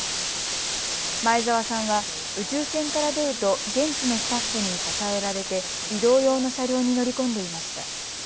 前澤さんは宇宙船から出ると現地のスタッフに支えられて移動用の車両に乗り込んでいました。